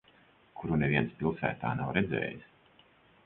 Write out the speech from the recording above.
Kuru neviens pilsētā nav redzējis.